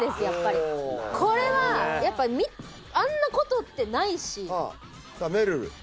やっぱりこれはやっぱあんなことってないしさあめるる